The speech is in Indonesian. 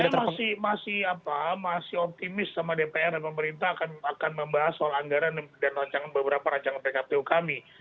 saya masih optimis sama dpr dan pemerintah akan membahas soal anggaran dan beberapa rancangan pkpu kami